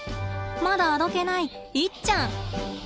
まだあどけないイッちゃん。